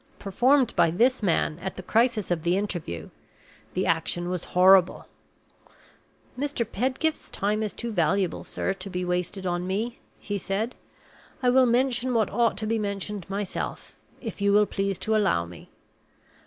Performed by this man, at the crisis of the interview, the action was horrible. "Mr. Pedgift's time is too valuable, sir, to be wasted on me," he said. "I will mention what ought to be mentioned myself if you will please to allow me.